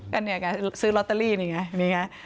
กันเนี่ยกันซื้อลอตเตอรี่นี่ไง